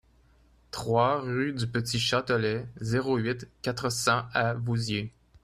trois rue du Petit Châtelet, zéro huit, quatre cents à Vouziers